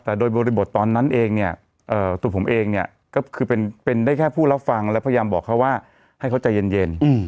แต่โดยบริบทตอนนั้นเองเนี่ยตัวผมเองเนี่ยก็คือเป็นได้แค่ผู้รับฟังและพยายามบอกเขาว่าให้เขาใจเย็น